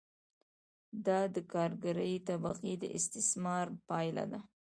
دا د کارګرې طبقې د استثمار پایله ده